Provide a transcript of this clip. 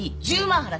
１０万ね。